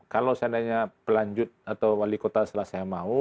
kalau seandainya pelanjut atau wali kota setelah saya mau